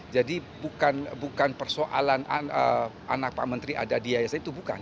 jadi bukan persoalan anak pak menteri ada di yayasan itu bukan